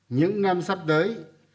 những năm sắp tới